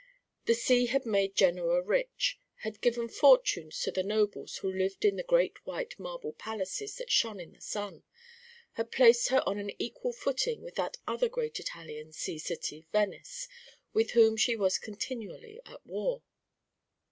The sea had made Genoa rich, had given fortunes to the nobles who lived in the great white marble palaces that shone in the sun, had placed her on an equal footing with that other great Italian sea city, Venice, with whom she was continually at war.